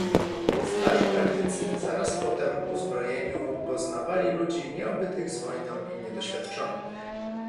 "Starzy praktycy zaraz po tem uzbrojeniu poznawali ludzi nieobytych z wojną i niedoświadczonych."